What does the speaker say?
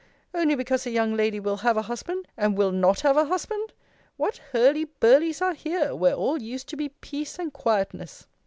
only because a young lady will have a husband, and will not have a husband? What hurlyburlies are here, where all used to be peace and quietness!